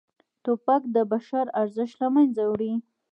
توپک د بشر ارزښت له منځه وړي.